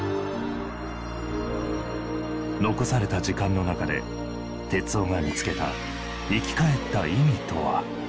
残された時間の中で徹生が見つけた生き返った意味とは。